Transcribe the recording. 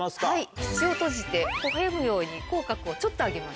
口を閉じてほほ笑むように口角をちょっと上げます。